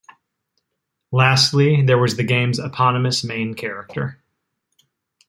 Lastly, there was the game's eponymous main character.